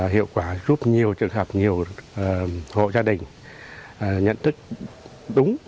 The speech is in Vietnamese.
hiệu quả giúp nhiều trường hợp nhiều hộ gia đình nhận thức đúng